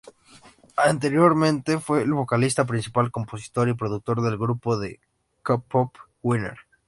Anteriormente fue el vocalista principal, compositor y productor del grupo de K-pop, Winner.